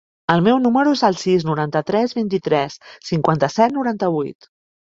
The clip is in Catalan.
El meu número es el sis, noranta-tres, vint-i-tres, cinquanta-set, noranta-vuit.